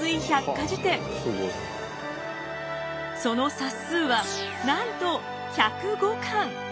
その冊数はなんと１０５巻。